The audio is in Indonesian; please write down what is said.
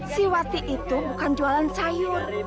si wati itu bukan jualan sayur